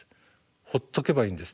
ほっとけばいいんです。